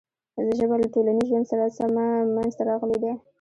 ژبه له ټولنیز ژوند سره سمه منځ ته راغلې ده.